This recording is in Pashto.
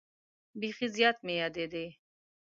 بیخي زیات مې یادېدې.